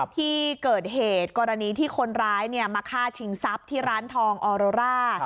ที่เกิดเหตุกรณีที่คนร้ายมาฆ่าชิงทรัพย์ที่ร้านทองออโรร่า